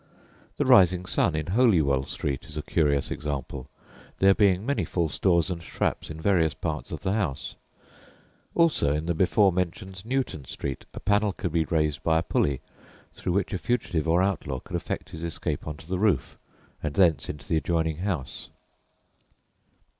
The "Rising Sun" in Holywell Street is a curious example, there being many false doors and traps in various parts of the house; also in the before mentioned Newton Street a panel could be raised by a pulley, through which a fugitive or outlaw could effect his escape on to the roof, and thence into the adjoining house.